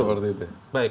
kulturnya seperti itu